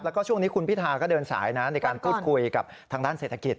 แล้วก็ช่วงนี้คุณพิธาก็เดินสายนะในการพูดคุยกับทางด้านเศรษฐกิจ